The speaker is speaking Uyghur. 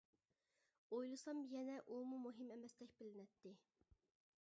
ئويلىسام يەنە ئۇمۇ مۇھىم ئەمەستەك بىلىنەتتى.